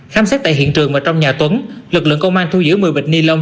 khám xét tại hiện trường và trong nhà tuấn lực lượng công an thu giữ một mươi bịch ni lông